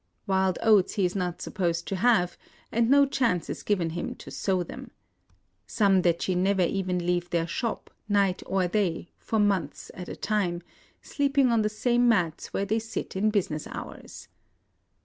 Wild oats he is not supposed to have, and no chance is given him to sow them. Some detchi never even leave their shop, night or day, for months at a time, — sleeping on the same mats where they sit in business hours.